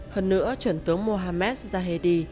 hơn nữa trưởng tướng mohammed zahedi